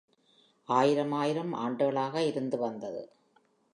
ஆயிரமாயிரம் ஆண்டுகளாக இருந்து வந்தது.